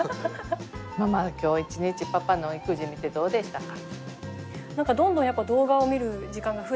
ママは今日一日パパの育児見てどうでしたか？